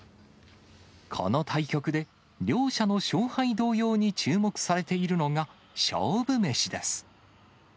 この対局で、両者の勝敗同様に注目されているのが勝負メシです。